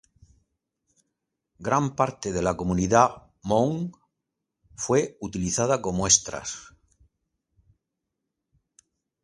Gran parte de la comunidad Hmong fue utilizada como extras.